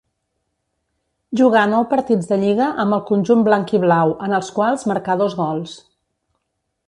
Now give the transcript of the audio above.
Jugà nou partits de lliga amb el conjunt blanc-i-blau en els quals marcà dos gols.